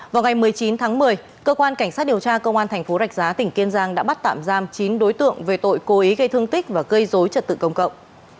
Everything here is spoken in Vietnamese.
vào ngày một mươi chín tháng một mươi cơ quan cảnh sát điều tra công an thành phố rạch giá tỉnh kiên giang đã bắt tạm giam chín đối tượng về tội cố ý gây thương tích và gây dối trật tự công cộng